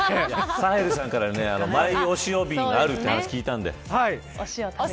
サヘルさんからマイお塩があると聞いたんで。